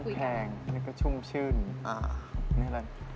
มันแพง้นุ่มชึ้น